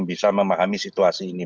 bisa memahami situasi ini